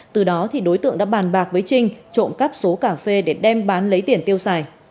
từ đó đối tượng đã bàn bạc với trinh trộm cắp số cà phê để đem bán lấy tiền tiêu xài